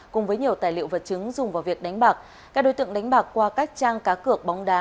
cùng với nhiều tài liệu vật chứng dùng vào việc đánh bạc các đối tượng đánh bạc qua các trang cá cược bóng đá